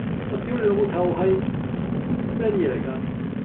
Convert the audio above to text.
我屌你老母臭閪，咩撚嘢嚟㗎？